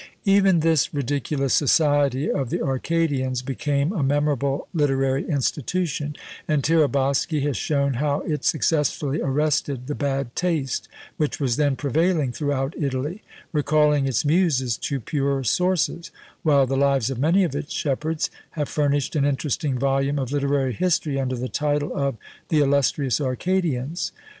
Even this ridiculous society of the Arcadians became a memorable literary institution; and Tiraboschi has shown how it successfully arrested the bad taste which was then prevailing throughout Italy, recalling its muses to purer sources; while the lives of many of its shepherds have furnished an interesting volume of literary history under the title of "The illustrious Arcadians."